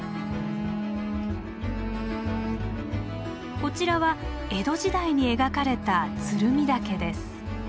こちらは江戸時代に描かれた鶴見岳です。